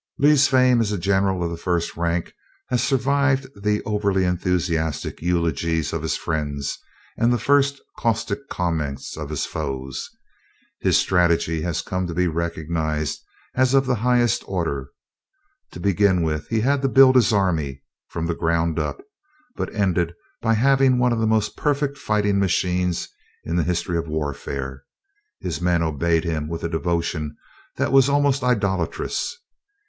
Lee's fame as a general of the first rank has survived the over enthusiastic eulogies of his friends and the first caustic comments of his foes. His strategy has come to be recognized as of the highest order. To begin with, he had to build his army "from the ground up," but ended by having one of the most perfect fighting machines in the history of warfare. His men obeyed him with a devotion that was almost idolatrous.